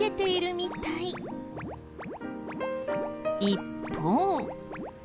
一方。